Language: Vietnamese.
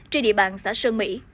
trên địa bàn xã sơn mỹ